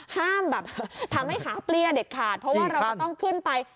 ห้ามแบบทำให้ขาเปรี้ยเด็ดขาดเพราะว่าเราก็ต้องขึ้นไป